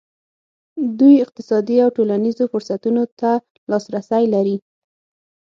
دوی اقتصادي او ټولنیزو فرصتونو ته لاسرسی لري.